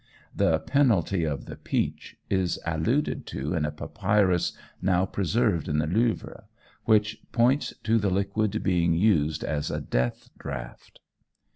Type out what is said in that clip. The "penalty of the peach" is alluded to in a papyrus now preserved in the Louvre, which points to the liquid being used as a death draught.